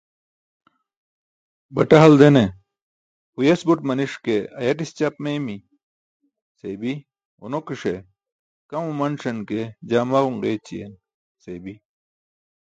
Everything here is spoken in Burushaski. Baṭa haldene: "huyes buṭ maniṣan ke ayaṭis ćaap meeymi" seybi, ġunonikiṣe: "kaam umanṣan ke jaa maġun ġeeyćiyen" seybi.